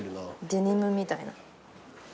デニムみたいな。